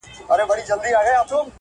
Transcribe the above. دا رومانتيك احساس دي خوږ دی گراني